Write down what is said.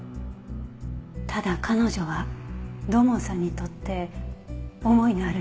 ただ彼女は土門さんにとって思いのある人のはず。